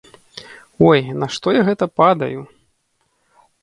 Ой, на што гэта я падаю?